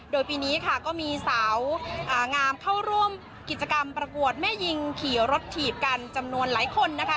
โดยปีนี้ค่ะก็มีสาวงามเข้าร่วมกิจกรรมประกวดแม่ยิงขี่รถถีบกันจำนวนหลายคนนะคะ